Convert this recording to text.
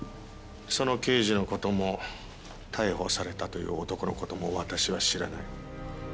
その刑事の事も逮捕されたという男の事も私は知らない。